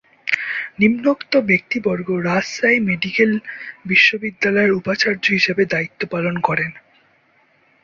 নিম্নোক্ত ব্যক্তিবর্গ রাজশাহী মেডিকেল বিশ্ববিদ্যালয়ের উপাচার্য হিসেবে দায়িত্ব পালন করেন-